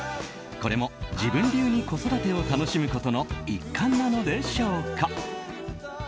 これも自分流に子育てを楽しむことの一環なのでしょうか。